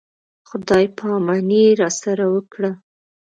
خدای په اماني یې راسره وکړه.